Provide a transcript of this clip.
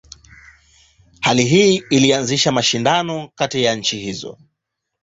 Hali hii ilianzisha mashindano kati ya nchi hizo.